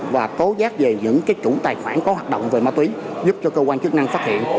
và tố giác về những chủ tài khoản có hoạt động về ma túy giúp cho cơ quan chức năng phát hiện